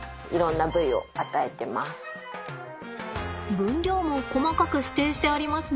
分量も細かく指定してありますね。